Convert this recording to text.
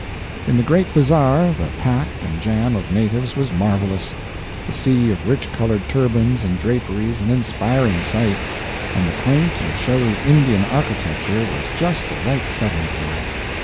. In the great bazar the pack and jam of natives was marvelous, the sea of rich colored turbans and draperies an inspiring sight, and the quaint and showy Indian architecture was just the right setting for it.